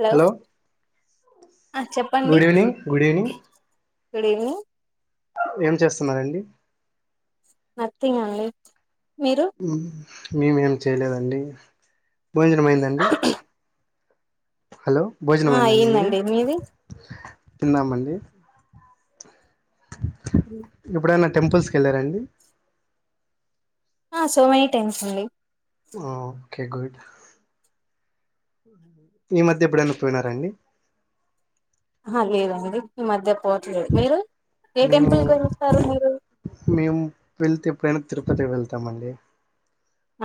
Hello ఆ చెప్పండి good evening good evening good evening ఏం చేస్తున్నారండి నథింగ్ అండి మీరు నేనేమ్ చేయలేదండి భోజనం అయిందా అండి హలో భోజనం ఆ అయిందా అండి మీది అయ్యిందండి తిన్నామండి ఉ ఏప్పుడైనా టెంపుల్స్ కి వెళ్ళారండి ఆ సో మెనీ టైమ్స్ అండి ఓకే గుడ్ ఈ మధ్య ఎప్పుదైన పోయినారండి ఆ లేదండి ఇ మధ్య పోవట్లేదు మీరు ఏ మేము టెంపుల్కి వెళస్తారు మీరు మేము వెళ్తే ఎప్పుడైనా తిరుపతి వెళ్తామండి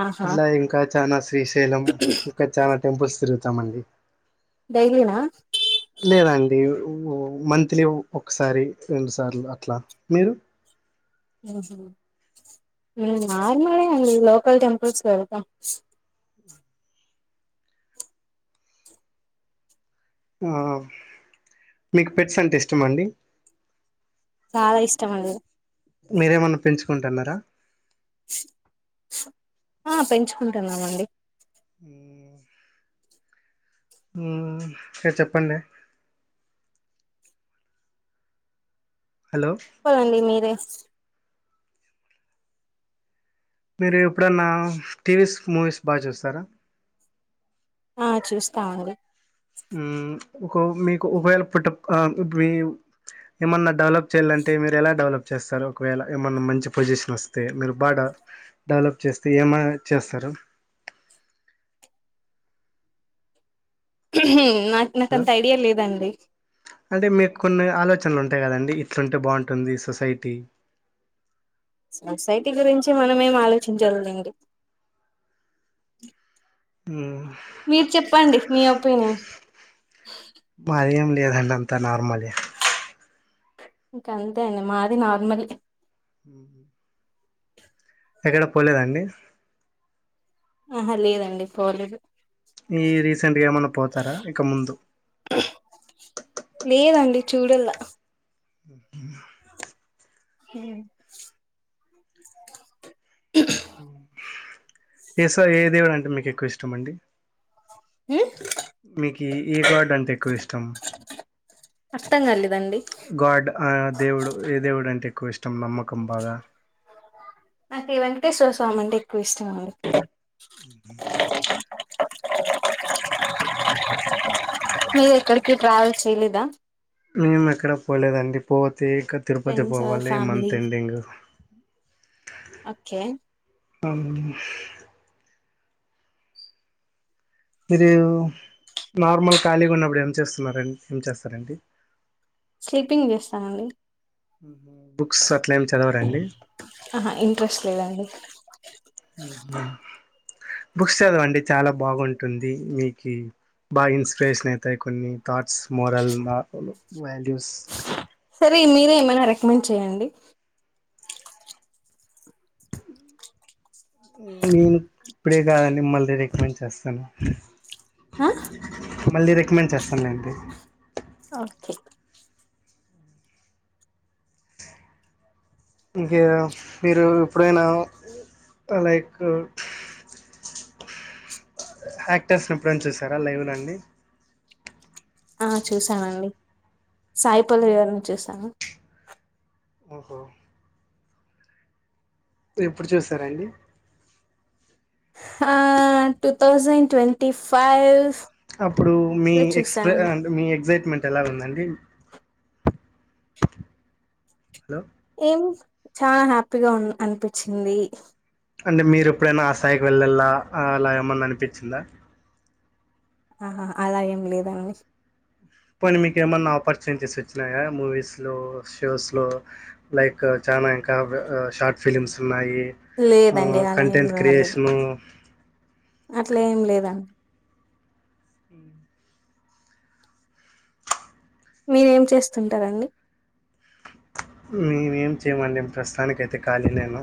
ఆహా అట్లా ఇంకా చనా శ్రీశైలం ఇంకా చనా టెంపుల్స్ తిరుగుతాం అండి డైలీనా లేదండి ఓ మంత్లీ ఒకసారి రెండు సార్లు అట్లా మీరు హు నార్మల్ గా అండి లోకల్ టెంపుల్ కి ఎల్టా ఆ మీకు పెట్స్ అంటే ఇష్టమ అండి చాలా ఇస్తామండి మీరేమన్నా పెంచుకుంటాన్నారా ఆ పెంచుకుంటన్నామండి హూ సరే చెప్పండి హలో చెప్పాలండి మీరే మీరు ఎప్పుడన్నా టీవీస్ మూవీస్ బా చూస్తారా ఆ చూస్తా అండి హు [unintelligible] ఒక మీకు ఉపయోగ పుట్ట మీ ఏమన్నా డెవలప్ చేయాలంటే మీరు ఎలా డెవలప్ చేస్తారు ఒకవేళ ఏమన్నా మంచి పొజిషన్ వస్తే మీరు బాడెవలప్ డెవలప్ చేస్తే ఏమై చేస్తారు ఉహూ నాకు హలో నాకంత ఐడియా లేదండి అంటే మీకు కొన్ని ఆలోచనలు ఉంటాయి కదండి ఇట్లుంటే భగుటుంది సొసైటీ సొసైటీ గురించి మనమేం ఆలోచించాలెండి ఉమ్ మీరు చెప్పండి మీ ఒపీనియన్ మాదేం లేదండి అంతా నార్మలే ఇంక అంతే అండి మాది నార్మలే మ్ ఎక్కడకీ పోలేదాండి ఆహా లేదండి పోలేదు ఈ రీసెంట్గా ఏమన్నా పోతారా ఇక ముందు లేదండీ చూడల్లా ఉహూ ఉమ్ ఏ స ఏ దేవుడు అంటే మీకు ఎక్కువ ఇష్టం అండి హూ మీకి ఏ గాడ్ అంటే ఎక్కువ ఇష్టం? అర్థం కాలేదండి గాడ్ ఆ దేవుడు ఏ దేవుడు అంటే ఎక్కువ ఇష్టం నమ్మకం బాగా నాకు ఈ వెంకటేశ్వర స్వామి అంటే ఎక్కువ ఇష్టం అండి అ మీరు ఎక్కడికీ ట్రావెల్ చేయలేదా? మేము ఎక్కడా పోలేదండి పోతే ఇంకా తిరుపతి ఫ్రెండ్స్ ఆర్ పోవాలి family month ending [inaudible] okay um మీరు నార్మల్ ఖాళీగా ఉన్నప్పుడు ఏం చేస్తున్నారండి ఏం చేస్తారండి స్లీపింగ్ చేస్తానండి బుక్స్ అట్ల ఏం చదవరాండి ఆహా ఇంట్రెస్ట్ లేదండి బుక్స్ చదవండి చాలా బాగుంటుంది మీకి బాగా ఇన్స్పిరేషన్ అయితాయి కొన్ని థాట్స్ మోరల్ మా వాల్యూస్ సరే మీరే ఏమైనా రికమెండ్ చేయండి ఆ నేను ఇప్పుడే కాదండి మళ్ళీ రికమెండ్ చేస్తాను ఆ మళ్ళీ రికమెండ్ చేస్తాన్లేండి ఓకే ఇంకా మీరు ఎప్పుడైనా లైక్ యాక్టర్స్ ని ఎప్పుడైనా చూసారా లైవ్‌లో అండి ఆ చూసానండి, సాయిపల్లవి గారిని చూసాను. ఓహో ఎప్పుడు చూసారండి? ఆ టూ థౌసండ్ ట్వంటీ ఫైవ్ అప్పుడూ మీ లో ఎక్స్ చూసానండి మీ ఎగ్జైట్మెంట్ ఎలా ఉందండి హలో ఏం చాలా హ్యాపీగా ఉన్ అనిపించింది అంటే మీరు ఎప్పుడైనా ఆ స్థాయికి వెళ్ళాల అలా ఏమన్నా అనిపించిందా? ఆహా అలా ఏం లేదండి పోనీ మీకు ఏమన్నా ఆపర్చునిటీస్ వచ్చినాయా మూవీస్ లో షోస్ లో లైక్ చానా ఇంకా షార్ట్ ఫిలిమ్స్ ఉన్నాయి లేదండి అలా ఏం కంటెంట్ రాలేదు క్రియేషను అట్లేం లేదండి మీరేం చేస్తుంటరండి మేమేం చేయమండి ప్రస్తుతానికైతే ఖాళీ లేను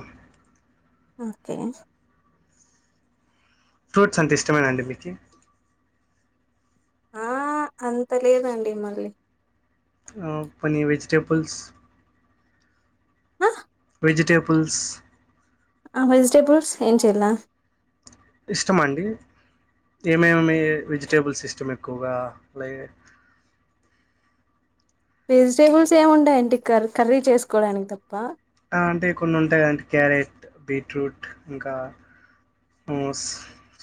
ఓకే ఫ్రూట్స్ అంటే ఇష్టమేనా అండి మీకీ ఆ అంత లేదండి మళ్ళీ ఆ పనీ వెజిటేపుల్స్ అ వెజిటేపుల్స్ అ వెజిటెబుల్స్ ఏం చుల్ల ఇష్టమ అండి ఏమేమి వెజిటేబుల్స్ ఇష్టం ఎక్కువగా లై వెజిటేబుల్స్ ఏముంటయండి కర్ కర్రీ చేసుకోవడానికి తప్ప ఆ అంటే కొన్నుంటయి గదండి క్యారెట్ బీట్రూట్ ఇంకా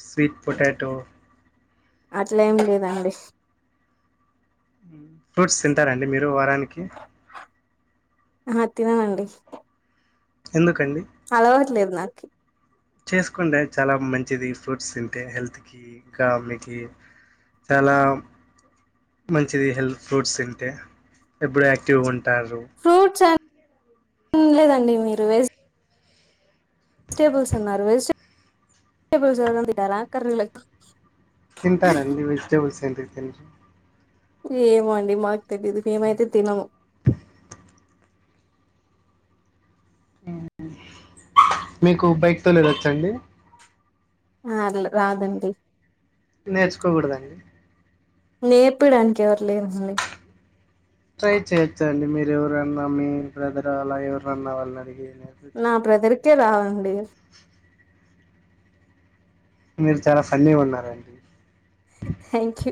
స్వీట్ పొటాటో అట్లేం లెదండి ఫ్రూట్స్ తింటారండి మీరు వారానికి అహ తిననండి ఎందుకండి అలవాట్లేద్ నాకి చేసుకోండే చాలా మంచిది ఫ్రూట్స్ తింటే హెల్త్కి ఇంకా మీకి చాలా మంచిది హెల్త్ ఫ్రూట్స్ తింటే ఎబుడు యాక్టివ్గా ఉంటారు ఫ్రూట్స్ లేదండి మీరు వె వెజిటెబుల్స్ కర్రీ తింటారడి వెజిటేబల్స్ ఏంటికి ఏమో అండి మాకు తెలీదు మేమైతే తినము మీకు బైక్ తోలేదొచ్చండి ఆల్ రాదండి నేర్చుకో గుడదండి నేర్పిడానికి ఎవరు లేరండి ట్రై చేయొచ్చండి మీరు ఎవరన్నా మీ బ్రదర్ అలా ఎవరు నన్నా వాళ్ళనడిగి నా బ్రదర్కే రాదండి మీరు చాలా ఫన్నీగున్నారండి థ్యాంక్ యూ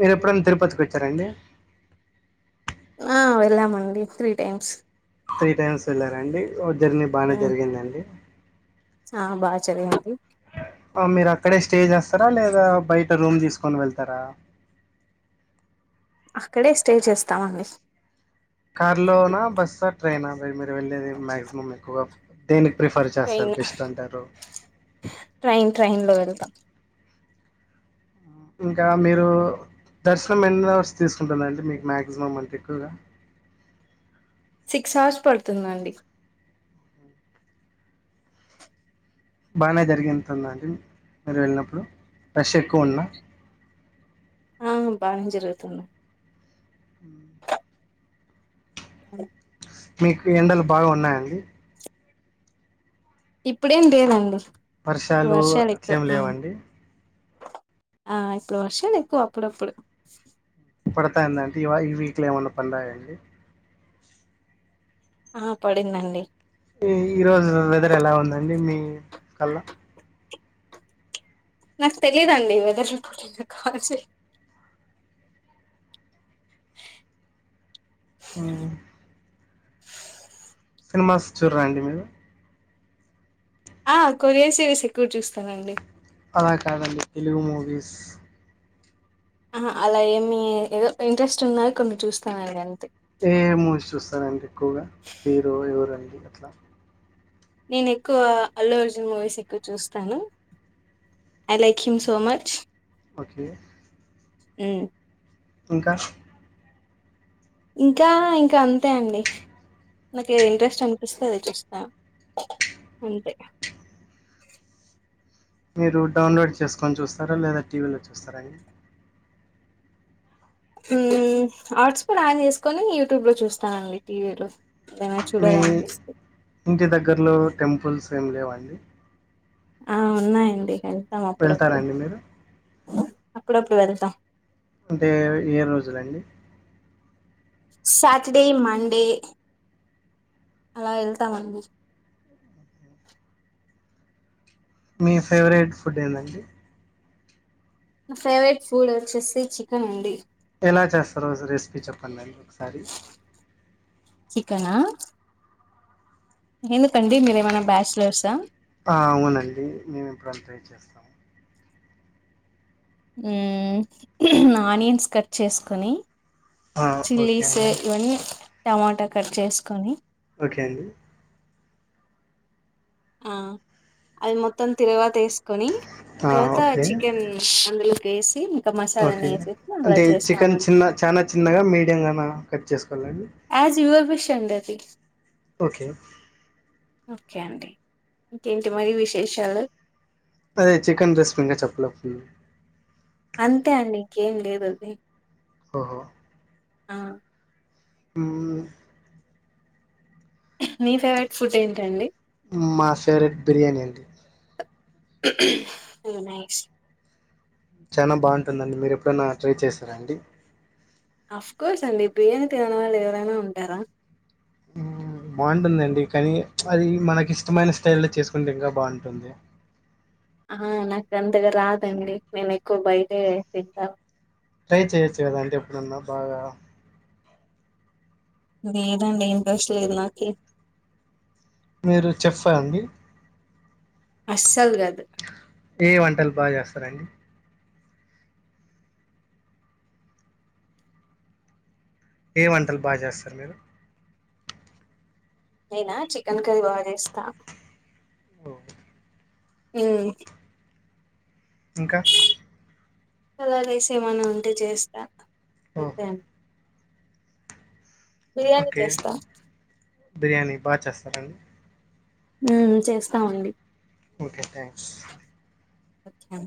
మీరు ఎప్పుడనా తిరుపతికి వచ్చారండి ఆ వెళ్ళామండి త్రీ టైమ్స్ త్రీ టైమ్స్ వెళ్ళారాండి ఓ జర్నీ బానే జరిగిందండి చానా బా చరిగింది ఓం మీరక్కడే స్టే చేస్తారా లేదా బయట రూమ్ తీసుకొని వెళ్తారా అక్కడే స్టే చేస్తామండి కార్లోనా బస్సా ట్రైనా మీరు వెళ్ళేది మాక్సిమం ఎక్కువ దేని ప్రిఫర్ చేస్తారు ట్రైన్ బెస్ట్ అంటారు ట్రైన్ ట్రైన్ లో వెళ్తాం ఇంకా మీరు దర్శనం ఎన్ని అవర్స్ తీసుకుంటదండి మీకు మాక్సిమం అంటే ఎక్కువగ సిక్స్ అవర్స్ పడుతుందండి. బానే జరిగితుందండి మీరు వెళ్ళినప్పుడు రష్ ఎక్కువ ఉన్న ఆ బానే జరుగుతుంది. అ మీకు ఎండలు బాగ ఉన్నాయండి. ఇప్పుడేం లేదండి ఇప్పుడు వర్షాలు ఎక్కవ అట్లేం ఆ లేవండి ఆ ఇప్పుడు వర్షాలు ఎక్కువ అప్పుడప్పుడు [unintelligible] ఏమన్నా పడినాయా అండి. ఆ పడిందండి. ఈ రోజు వెదర్ ఎల ఉందండి మీ కల్ల నాకు తెలిదండి వెదర్ రిపోర్టింగ్కి కాల్ [unintelligible] [inaudible] హు సినిమాస్ చూడర అండి మీరు ఆ కొరియన్సు సిరీస్ ఎక్కువ చూస్తానండి అల కాదండి తెలుగు మూవీస్ ఆహా అలా ఏమి ఏదో ఇంట్రెస్ట్ ఉన్నవి కొన్ని చూస్తానండి అంతే ఏ మూవీస్ చూస్తారండి ఎక్కువగా హీరో ఎవరండి అట్ల నేను ఎక్కువ అల్లు అర్జున్ మూవీస్ ఎక్కువ చూస్తను I like him so much okay ఉ ఇంక ఇంకా ఇంకా అంతే అండి. నాకి ఏది ఇంట్రెస్ట్ అనిపిస్తే అది చూస్త అంతే మీరు డౌన్లోడ్ చేసుకొని చూస్తార లేదా టీవీలో చూస్తార అండి. ఉమ్ హాట్ స్పాట్ ఆన్ చేసుకొని యూట్యూబ్ లో చూస్తానండి టీవీలో ఏదైనా మీ చూడాలనిపిస్తే ఇంటి దగ్గరలో టెంపుల్స్ ఏమి లేవ అండి ఆ ఉన్నాయండి వెళ్త అప్పుడప్పుడు వెళ్తారండి మీరు అప్పుడప్పుడు వెళ్త అంటే ఏ రోజులండి సాటర్డే మండే అల ఎళ్తామండి. మీ ఫేవరెట్ ఫుడ్ ఏందండి. నా ఫేవరెట్ ఫుడ్ వచ్చేసి చికెన్ అండి. ఎలా చేస్తారో రెసిపీ చెప్పండి అండి ఒకసారి చికన ఎందుకండి మీరేమైన బ్యాచ్లర్సా. అవునండి మేము ఎప్పుడన్న ట్రై చేస్తాము. ఆనియన్స్ కట్ చేసుకొని ఆ ఓకే చిల్లీస్ అండి ఇవన్నీ టమాట కట్ చేసుకొని ఓకే అండి. ఆ అవి మొత్తం తిరు [unintelligible] వేసుకొని ఆ తర్వాత ఓకే చికెన్ అందులో కేసి ఓకే అంటే చికెన్ చిన్న చాన చిన్నగా మీడియంగా కట్ చేసుకోవాలండి యాస్ యూవర్ విష్ అండి అది ఓకే ఓకే అండి ఇంక ఇంటి మరి విశేషాలు అదే చికెన్ రిస్ ఇంకా చెప్పలే అంతే అండింకేం లేదు అది ఓహో ఆ హ్మ్మ్ మీ ఫేవరెట్ ఫుడ్ ఏంటండి మా ఫేవరెట్ బిర్యానీ అండి నైస్ చాలనా బాగుంటుందండి మీరు ఎప్పుడైనా ట్రై చేస్తారా అండి అఫ్ కోర్స్ అండి బిర్యానీ తినగని వాళ్ళు ఎవరైనా ఉంటారా బాగుంటుందండి కానీ అది మనకి ఇష్టమైన స్టైల్ లో చేసుకుంటే ఇంకా బాగుంటుంది ఆ నాకు అంతగా రాదండి నేను ఎక్కువ బయటే తింటాను ట్రై చెయొచ్చు కదా అంటే ఎప్పుడున్నా బాగా ఇ ఏదండి ఇంట్రెస్ట్లుదు నా మీరు చెప్పండి అస్సలు గదు ఏ వంటలు బాగా చేస్తారం అండి ఏ వంటలు బాగా చేస్తారు మీరు నేనా చికెన్ కర్రీ బాగా చేస్తా ఓ, ఆ ఇంకా చలా తీసి ఏమైనా ఉంటే చేస్తా అంతే ఓహో అ బిర్యానీ ఓకే చేస్తా బిర్యానీ బాగా చేస్తారండి ఉ చేస్తామండి ఓకే థ్యాంక్స్ అచ్చా